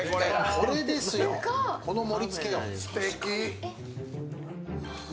これですよ、この盛りつけよ。